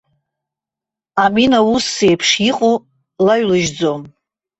Амина ус еиԥш иҟоу лаҩлыжьӡом.